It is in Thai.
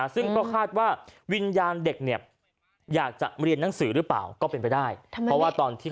ซึ่งก็คาดว่าวิญญาณเด็กเนี่ยอยากจะมาเรียนนังสือหรือไม่